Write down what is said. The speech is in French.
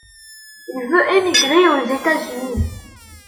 Il veut émigrer aux États-Unis.